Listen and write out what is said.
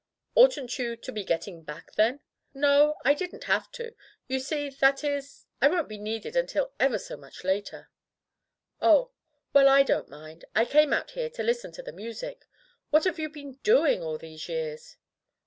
'* "Oughtn't you to be getting back, then?" "No. I didn't have to. You see — that is — I won't be needed until ever so much later." "Oh! Well, I don't mind. I came out here to listen to the music. What have you been doing all these years?"